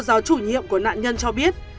cô giáo chủ nhiệm của nạn nhân cho thiện